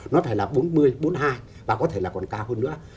nó phải là bốn mươi bốn mươi hai và có thể là còn cao hơn nữa